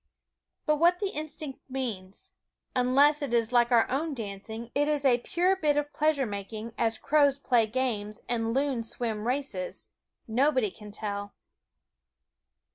But what the instinct means unless, like our own dancing, it is a pure bit of pleasure making, as crows play games and loons swim races nobody can tell.